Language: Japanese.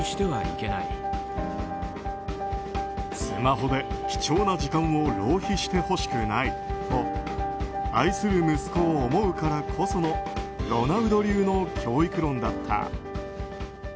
スマホで貴重な時間を浪費してほしくないと愛する息子を思うからこそのロナウド流の教育論だった。